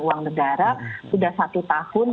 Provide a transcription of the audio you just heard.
uang negara sudah satu tahun